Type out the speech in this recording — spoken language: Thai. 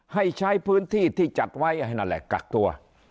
ให้ใช้พื้นที่ที่จัดไว้ให้นั่นแหละกักตัว